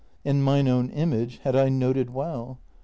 ( And mine own image, had I noted well